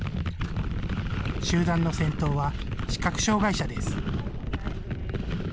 集団の先頭は視覚障害者です。